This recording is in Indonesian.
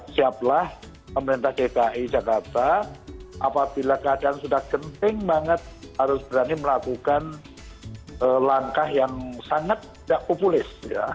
siaplah pemerintah dki jakarta apabila keadaan sudah genting banget harus berani melakukan langkah yang sangat tidak populis